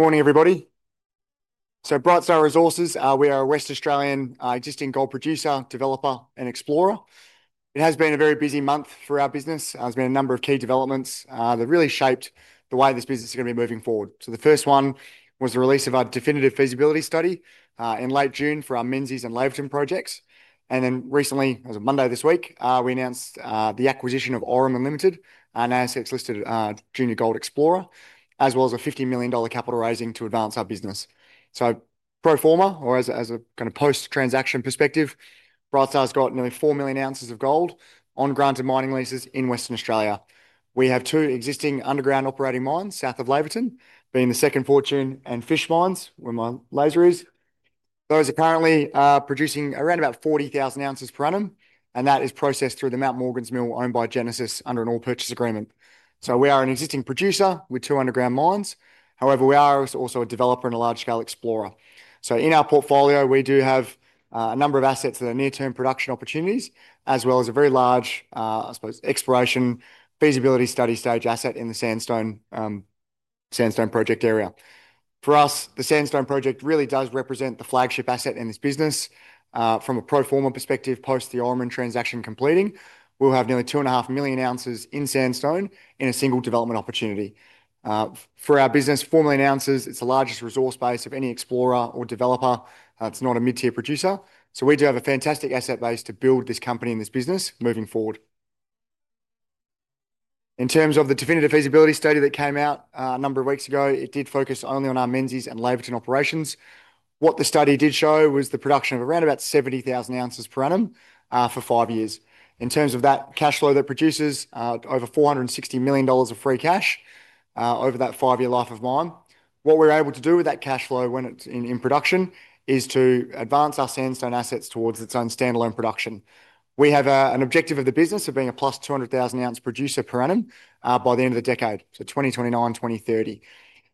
Morning, everybody. Brightstar Resources, we are a West Australian existing gold producer, developer, and explorer. It has been a very busy month for our business. There have been a number of key developments that really shaped the way this business is going to be moving forward. The first one was the release of our Definitive Feasibility Study in late June for our Menzies and Laverton projects. Recently, as of Monday this week, we announced the acquisition of Aurumin Limited, an ASX-listed junior gold explorer, as well as a $50 million capital raising to advance our business. Pro Forma, or as a kind of post-transaction perspective, Brightstar's got nearly 4 million ounces of gold on granted mining leases in Western Australia. We have two existing underground operating mines south of Laverton, being the Second Fortune and Fish Mines, where my laser is. Those apparently are producing around about 40,000 ounces per annum, and that is processed through the Mount Morgans Mill owned by Genesis Minerals Limited under an ore purchase agreement. We are an existing producer with two underground mines. However, we are also a developer and a large-scale explorer. In our portfolio, we do have a number of assets that are near-term production opportunities, as well as a very large, I suppose, exploration feasibility study stage asset in the Sandstone project area. For us, the Sandstone project really does represent the flagship asset in this business. From a Pro Forma perspective, post the Aurumin transaction completing, we'll have nearly 2.5 million ounces in Sandstone in a single development opportunity. For our business, formally announced as it's the largest resource base of any explorer or developer, it's not a mid-tier producer. We do have a fantastic asset base to build this company and this business moving forward. In terms of the definitive feasibility study that came out a number of weeks ago, it did focus only on our Menzies and Laverton operations. What the study did show was the production of around about 70,000 ounces per annum for five years. In terms of that cash flow, that produces over $460 million of free cash over that five-year life of mine. What we're able to do with that cash flow when it's in production is to advance our Sandstone assets towards its own standalone production. We have an objective of the business of being a +200,000 ounce producer per annum by the end of the decade, so 2029-2030.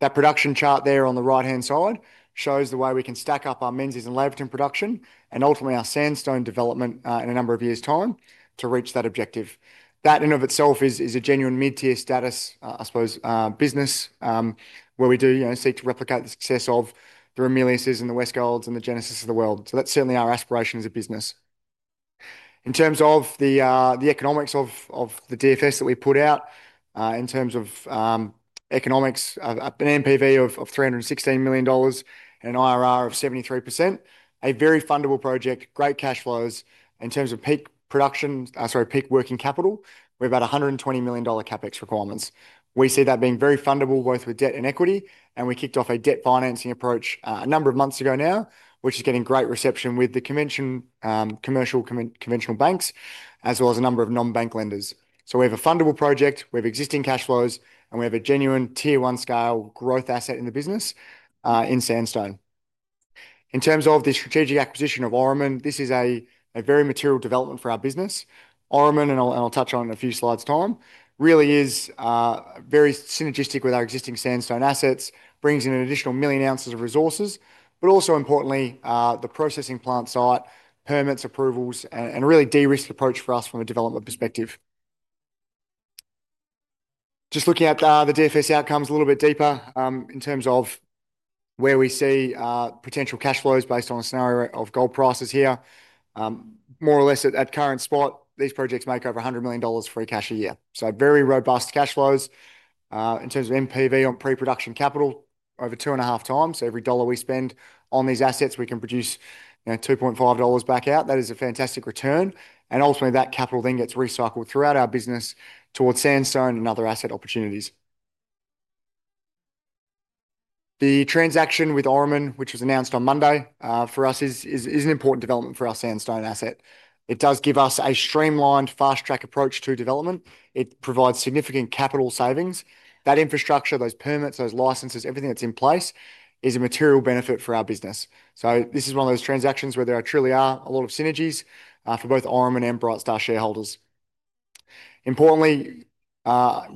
That production chart there on the right-hand side shows the way we can stack up our Menzies and Laverton production and ultimately our Sandstone development in a number of years' time to reach that objective. That in and of itself is a genuine mid-tier status, I suppose, business where we do seek to replicate the success of the Ramelius Resources Limited and the Westgold Resources Limited and the Genesis Minerals Limited of the world. That's certainly our aspiration as a business. In terms of the economics of the DFS that we put out, in terms of economics, an NPV of $316 million and an IRR of 73%, a very fundable project, great cash flows. In terms of peak production, peak working capital, we have about $120 million CapEx requirements. We see that being very fundable, both with debt and equity, and we kicked off a debt financing approach a number of months ago now, which is getting great reception with the commercial conventional banks, as well as a number of non-bank lenders. We have a fundable project, we have existing cash flows, and we have a genuine Tier 1 scale growth asset in the business in Sandstone. In terms of the strategic acquisition of Aurumin, this is a very material development for our business. Aurumin, and I'll touch on it in a few slides' time, really is very synergistic with our existing Sandstone assets, brings in an additional million ounces of resources, but also importantly, the processing plant site, permits, approvals, and a really de-risked approach for us from a development perspective. Just looking at the DFS outcomes a little bit deeper in terms of where we see potential cash flows based on a scenario of gold prices here, more or less at current spot, these projects make over $100 million free cash a year. Very robust cash flows. In terms of NPV on pre-production capital, over 2.5x, so every dollar we spend on these assets, we can produce $2.5 back out. That is a fantastic return. Ultimately, that capital then gets recycled throughout our business towards Sandstone and other asset opportunities. The transaction with Aurumin, which was announced on Monday, for us is an important development for our Sandstone asset. It does give us a streamlined, fast-track approach to development. It provides significant capital savings. That infrastructure, those permits, those licenses, everything that's in place is a material benefit for our business. This is one of those transactions where there truly are a lot of synergies for both Aurumin and Brightstar Resources shareholders. Importantly,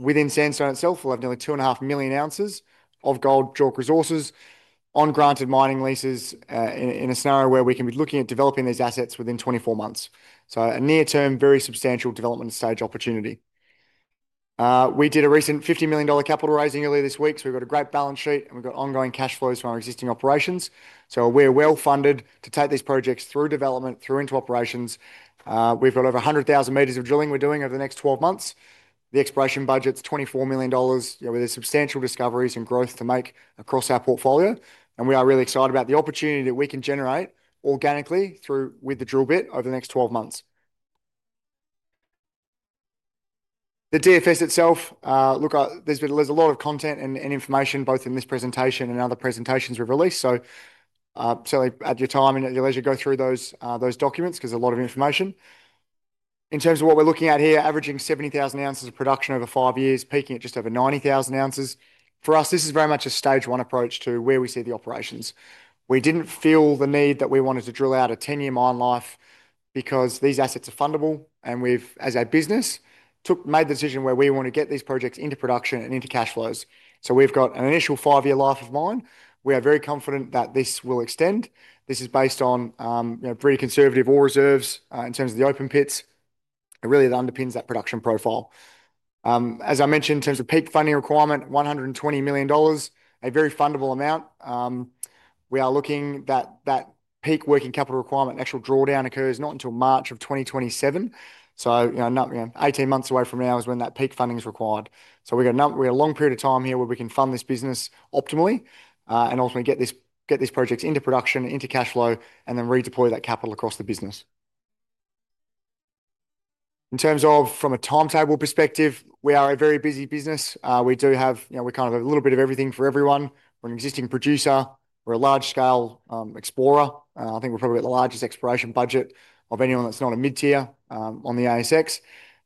within Sandstone itself, we'll have nearly 2.5 million ounces of gold JORC Resources on granted mining leases in a scenario where we can be looking at developing these assets within 24 months. A near-term, very substantial development stage opportunity. We did a recent $50 million capital raising earlier this week, so we've got a great balance sheet and we've got ongoing cash flows from our existing operations. We are well funded to take these projects through development, through into operations. We've got over 100,000 m of drilling we're doing over the next 12 months. The exploration budget's $24 million. We have substantial discoveries and growth to make across our portfolio, and we are really excited about the opportunity that we can generate organically with the drill bit over the next 12 months. The DFS itself, look, there's a lot of content and information both in this presentation and other presentations we've released, so certainly at your time and at your leisure, go through those documents because there's a lot of information. In terms of what we're looking at here, averaging 70,000 ounces of production over five years, peaking at just over 90,000 ounces. For us, this is very much a stage one approach to where we see the operations. We didn't feel the need that we wanted to drill out a 10-year mine life because these assets are fundable and we've, as a business, made the decision where we want to get these projects into production and into cash flows. We've got an initial five-year life of mine. We are very confident that this will extend. This is based on pretty conservative ore reserves in terms of the open pits. It underpins that production profile. As I mentioned, in terms of peak funding requirement, $120 million, a very fundable amount. We are looking that that peak working capital requirement, an actual drawdown, occurs not until March of 2027. Eighteen months away from now is when that peak funding is required. We've got a long period of time here where we can fund this business optimally and ultimately get these projects into production, into cash flow, and then redeploy that capital across the business. In terms of from a timetable perspective, we are a very busy business. We do have, you know, we're kind of a little bit of everything for everyone. We're an existing producer. We're a large-scale explorer. I think we're probably at the largest exploration budget of anyone that's not a mid-tier on the ASX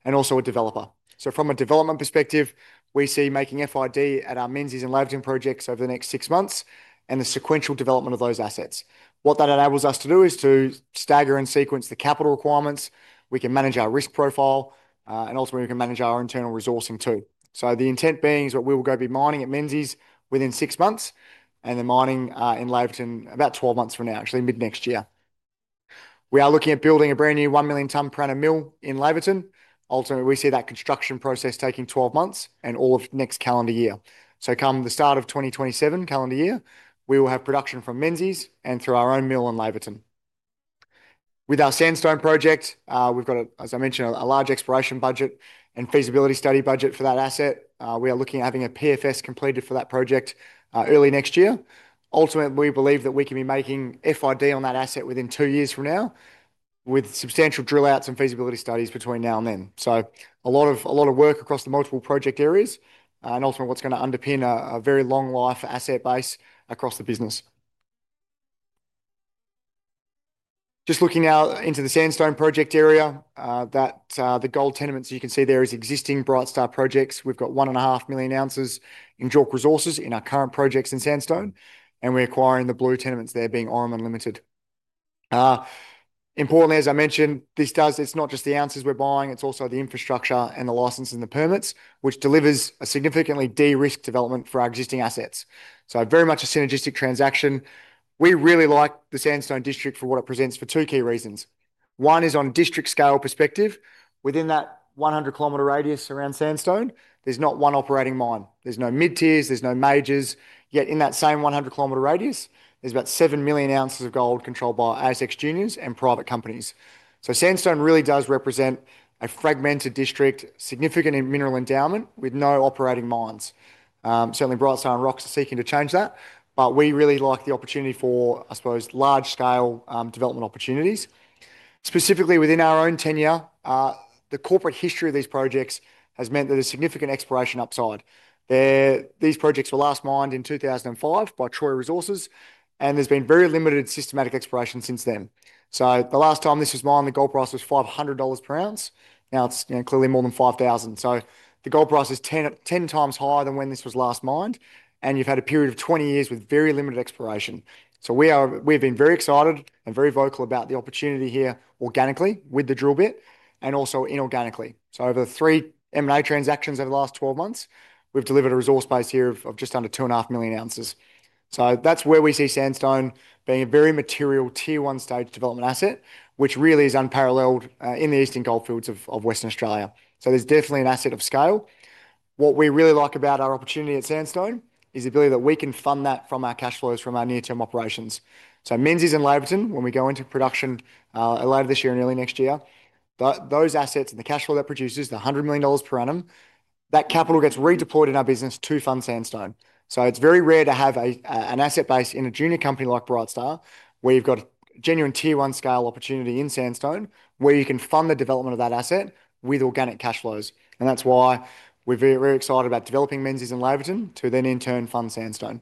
and also a developer. From a development perspective, we see making FID at our Menzies and Laverton projects over the next six months and the sequential development of those assets. What that enables us to do is to stagger and sequence the capital requirements. We can manage our risk profile and ultimately we can manage our internal resourcing too. The intent being is that we will go be mining at Menzies within six months and then mining in Laverton about 12 months from now, actually mid-next year. We are looking at building a brand new one million-ton per annum mill in Laverton. Ultimately, we see that construction process taking 12 months and all of next calendar year. Come the start of 2027 calendar year, we will have production from Menzies and through our own mill in Laverton. With our Sandstone project, we've got, as I mentioned, a large exploration budget and feasibility study budget for that asset. We are looking at having a PFS completed for that project early next year. Ultimately, we believe that we can be making FID on that asset within two years from now with substantial drill outs and feasibility studies between now and then. A lot of work across the multiple project areas and ultimately what's going to underpin a very long life asset base across the business. Just looking now into the Sandstone project area, the gold tenements, you can see there is existing Brightstar projects. We've got 1.5 million ounces in JORC resources in our current projects in Sandstone and we're acquiring the blue tenements there, being Aurumin Limited. Importantly, as I mentioned, this does, it's not just the ounces we're buying, it's also the infrastructure and the license and the permits, which delivers a significantly de-risked development for our existing assets. Very much a synergistic transaction. We really like the Sandstone district for what it presents for two key reasons. One is on a district scale perspective. Within that 100 km radius around Sandstone, there's not one operating mine. There's no mid-tiers, there's no majors. Yet in that same 100 km radius, there's about 7 million ounces of gold controlled by ASX juniors and private companies. Sandstone really does represent a fragmented district, significant in mineral endowment, with no operating mines. Certainly, Brightstar and Rocks are seeking to change that, but we really like the opportunity for, I suppose, large-scale development opportunities. Specifically within our own tenure, the corporate history of these projects has meant there's a significant exploration upside. These projects were last mined in 2005 by Troy Resources, and there's been very limited systematic exploration since then. The last time this was mined, the gold price was $500 per ounce. Now it's clearly more than $5,000. The gold price is 10x higher than when this was last mined, and you've had a period of 20 years with very limited exploration. We've been very excited and very vocal about the opportunity here organically with the drill bit and also inorganically. Over the three M&A transactions over the last 12 months, we've delivered a resource base here of just under 2.5 million ounces. That's where we see Sandstone being a very material Tier 1 stage development asset, which really is unparalleled in the eastern goldfields of Western Australia. There's definitely an asset of scale. What we really like about our opportunity at Sandstone is the ability that we can fund that from our cash flows, from our near-term operations. Menzies and Laverton, when we go into production later this year and early next year, those assets and the cash flow that produces the $100 million per annum, that capital gets redeployed in our business to fund Sandstone. It's very rare to have an asset base in a junior company like Brightstar where you've got genuine Tier 1 scale opportunity in Sandstone, where you can fund the development of that asset with organic cash flows. That's why we're very excited about developing Menzies and Laverton to then in turn fund Sandstone.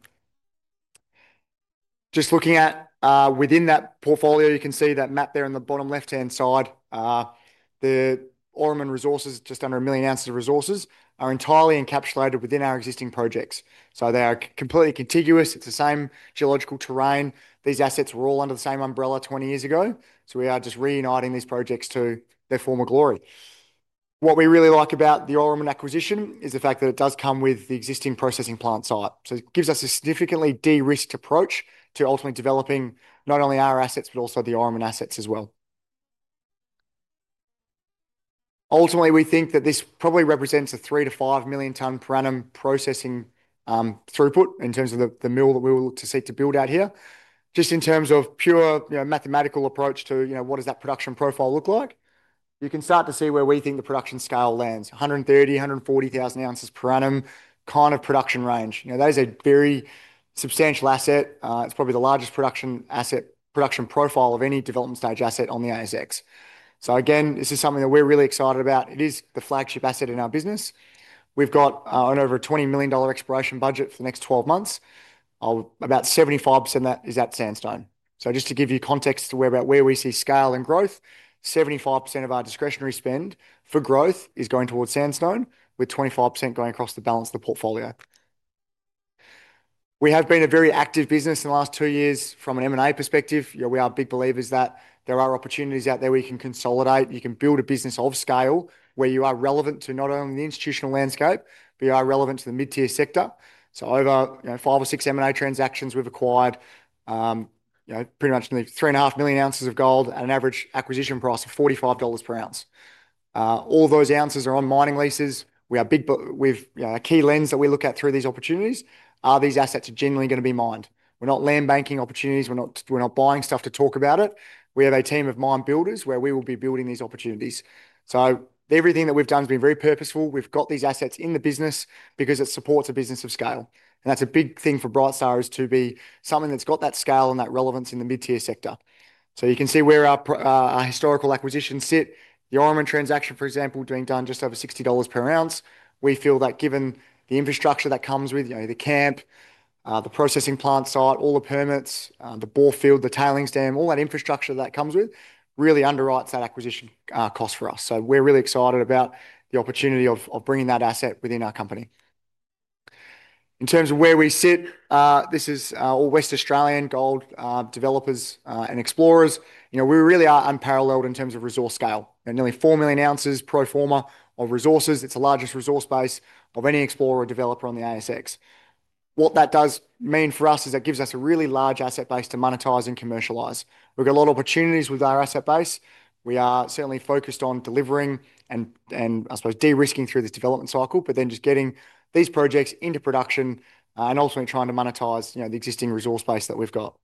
Just looking at within that portfolio, you can see that map there on the bottom left-hand side, the Aurumin resources, just under a million ounces of resources, are entirely encapsulated within our existing projects. They are completely contiguous. It's the same geological terrain. These assets were all under the same umbrella 20 years ago. We are just reuniting these projects to their former glory. What we really like about the Aurumin acquisition is the fact that it does come with the existing processing plant site. It gives us a significantly de-risked approach to ultimately developing not only our assets, but also the Aurumin assets as well. Ultimately, we think that this probably represents a 3 million-5 million ton per annum processing throughput in terms of the mill that we will seek to build out here. Just in terms of pure mathematical approach to what does that production profile look like, you can start to see where we think the production scale lands. 130,000, 140,000 ounces per annum kind of production range. That is a very substantial asset. It's probably the largest production asset production profile of any development stage asset on the ASX. This is something that we're really excited about. It is the flagship asset in our business. We've got an over $20 million exploration budget for the next 12 months. About 75% of that is at Sandstone. Just to give you context to where we see scale and growth, 75% of our discretionary spend for growth is going towards Sandstone, with 25% going across the balance of the portfolio. We have been a very active business in the last two years from an M&A perspective. We are big believers that there are opportunities out there we can consolidate. You can build a business of scale where you are relevant to not only the institutional landscape, but you are relevant to the mid-tier sector. Over five or six M&A transactions, we've acquired pretty much nearly 3.5 million ounces of gold at an average acquisition price of $45 per ounce. All those ounces are on mining leases. We are big, but a key lens that we look at through these opportunities are these assets are genuinely going to be mined. We're not land banking opportunities. We're not buying stuff to talk about it. We have a team of mine builders where we will be building these opportunities. Everything that we've done has been very purposeful. We've got these assets in the business because it supports a business of scale. That's a big thing for Brightstar is to be something that's got that scale and that relevance in the mid-tier sector. You can see where our historical acquisitions sit. The Aurumin transaction, for example, being done just over $60 per ounce. We feel that given the infrastructure that comes with the camp, the processing plant site, all the permits, the bore field, the tailings dam, all that infrastructure that comes with really underwrites that acquisition cost for us. We're really excited about the opportunity of bringing that asset within our company. In terms of where we sit, this is all West Australian gold developers and explorers. We really are unparalleled in terms of resource scale. Nearly 4 million ounces Pro Forma of resources. It's the largest resource base of any explorer or developer on the ASX. What that does mean for us is that gives us a really large asset base to monetize and commercialize. We've got a lot of opportunities with our asset base. We are certainly focused on delivering and, I suppose, de-risking through this development cycle, but then just getting these projects into production and ultimately trying to monetize the existing resource base that we've got.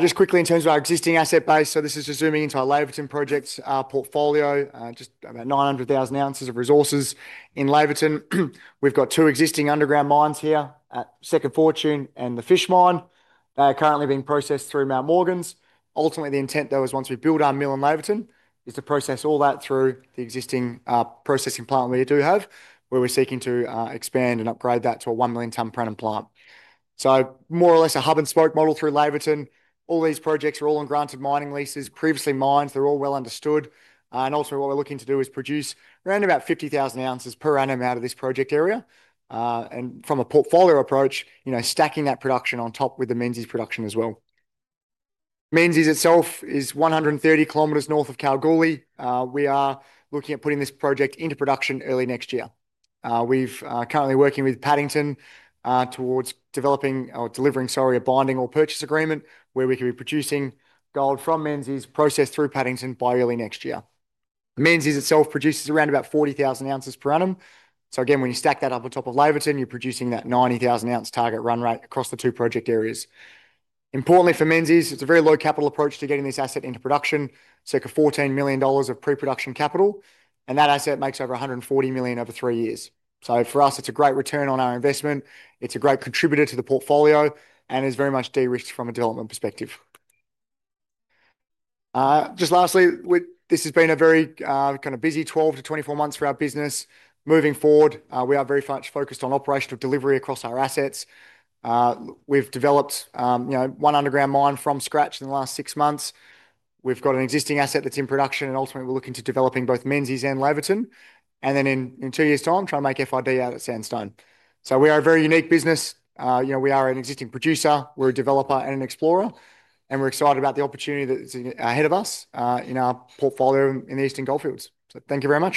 Just quickly, in terms of our existing asset base, this is resuming into our Laverton project portfolio, just about 900,000 ounces of resources in Laverton. We've got two existing underground mines here, at Second Fortune and the Fish Mine. They are currently being processed through Mt Morgans. Ultimately, the intent though is once we build our mill in Laverton to process all that through the existing processing plant we do have, where we're seeking to expand and upgrade that to a 1 million ton printing plant. More or less a hub and spoke model through Laverton. All these projects are all on granted mining leases. Previously mined, they're all well understood. Ultimately, what we're looking to do is produce around about 50,000 ounces per annum out of this project area. From a portfolio approach, stacking that production on top with the Menzies production as well. Menzies itself is 130 km north of Kalgoorlie. We are looking at putting this project into production early next year. We're currently working with Paddington towards developing or delivering, sorry, a binding or purchase agreement where we could be producing gold from Menzies processed through Paddington by early next year. Menzies itself produces around about 40,000 ounces per annum. Again, when you stack that up on top of Laverton, you're producing that 90,000 ounce target run rate across the two project areas. Importantly for Menzies is it's a very low capital approach to getting this asset into production, circa $14 million of pre-production capital. That asset makes over $140 million over three years. For us, it's a great return on our investment. It's a great contributor to the portfolio and is very much de-risked from a development perspective. Just lastly, this has been a very kind of busy 12 to 24 months for our business. Moving forward, we are very focused on operational delivery across our assets. We've developed one underground mine from scratch in the last six months. We've got an existing asset that's in production, and ultimately we're looking to developing both Menzies and Laverton. In two years' time, trying to make FID out of Sandstone. We are a very unique business. You know, we are an existing producer, we're a developer and an explorer, and we're excited about the opportunity that's ahead of us in our portfolio in the eastern goldfields. Thank you very much.